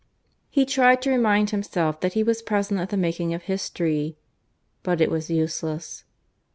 He tried to remind himself that he was present at the making of history, but it was useless.